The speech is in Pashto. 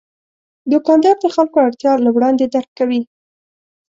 دوکاندار د خلکو اړتیا له وړاندې درک کوي.